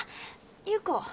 優子。